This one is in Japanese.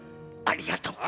ありがとう。